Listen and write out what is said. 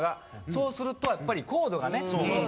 そうするとやっぱりコードがね。